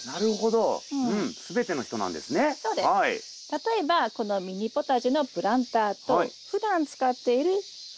例えばこのミニポタジェのプランターとふだん使っているプランター。